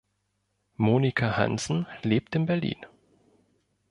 Monika Hansen lebt in Berlin.